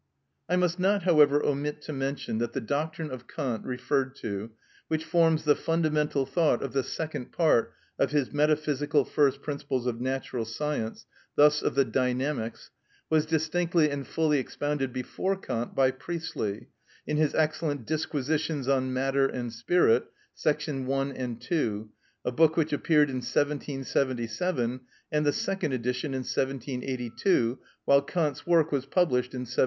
I must not, however, omit to mention that the doctrine of Kant referred to, which forms the fundamental thought of the second part of his "Metaphysical First Principles of Natural Science," thus of the Dynamics, was distinctly and fully expounded before Kant by Priestley, in his excellent "Disquisitions on Matter and Spirit," § 1 and 2, a book which appeared in 1777, and the second edition in 1782, while Kant's work was published in 1786.